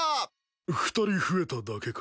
２人増えただけか？